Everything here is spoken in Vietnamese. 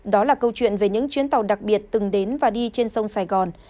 đó là câu chuyện về những chuyến tàu đặc biệt từng đến và đi trên sông sài gòn